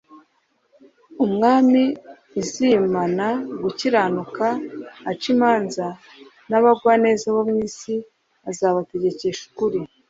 Umwami uzimana gukiranuka, ac’imanza, ‘‘n’abagwaneza bo mu isi azabategekesha ukuri ;